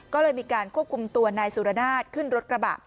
ก็เลยมีการควบคุมตัวนายสุรนาศขึ้นรถกระบะ